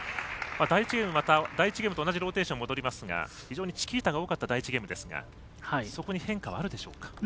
第１ゲームと同じローテーションに戻りますが非常にチキータが多かった第１ゲームですがそこに変化はあるでしょうか？